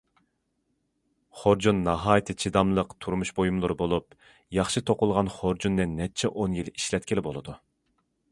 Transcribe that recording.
خۇرجۇن ناھايىتى چىداملىق تۇرمۇش بۇيۇمى بولۇپ، ياخشى توقۇلغان خۇرجۇننى نەچچە ئون يىل ئىشلەتكىلى بولىدۇ.